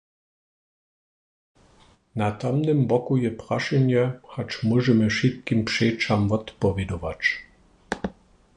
Na tamnym boku je prašenje, hač móžemy wšitkim přećam wotpowědować.